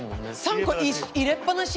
３個入れっぱなし？